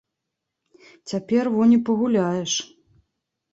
Цяпер во не пагуляеш.